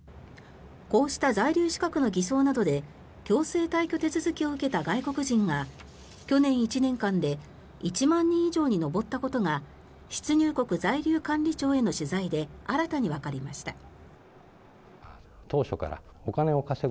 こうした在留資格の偽装などで強制退去手続きを受けた外国人が去年１年間で１万人以上に上ったことが出入国在留管理庁への取材で新たにわかりました。